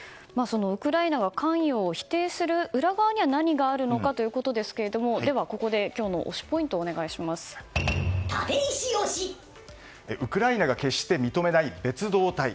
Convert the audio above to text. ウクライナは関与を否定する裏側には何があるのかということですがここで今日の推しポイントをウクライナが決して認めない別働隊。